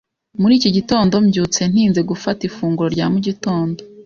Muri iki gitondo, mbyutse ntinze gufata ifunguro rya mu gitondo.